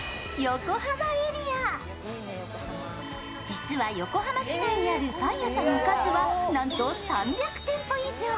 実は横浜市内にあるパン屋さんの数はなんと３００店舗以上。